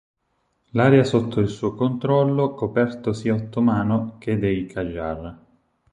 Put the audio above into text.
L'area sotto il suo controllo coperto sia ottomano che dei Qajar.